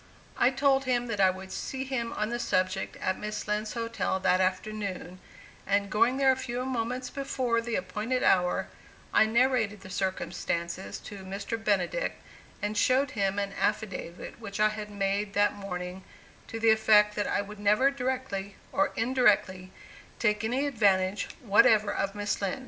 I told him that I would see him on the subject at Miss Lind's hotel that afternoon, and going there a few moments before the appointed hour, I narrated the circumstances to Mr. Benedict and showed him an affidavit which I had made that morning to the effect that I would never directly or indirectly take any advantage whatever of Miss Lind.